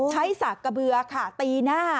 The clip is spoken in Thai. ใช้สระเกบือค่ะตีหน้า